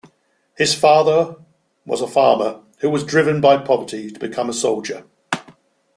His father was a farmer who was driven by poverty to become a soldier.